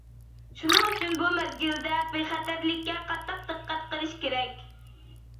شۇنىڭ ئۈچۈن بۇ مەزگىلدە بىخەتەرلىككە قاتتىق دىققەت قىلىش كېرەك.